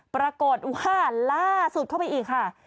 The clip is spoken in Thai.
ปรากฏว่าล่าสุดเข้าไปอีกค่ะ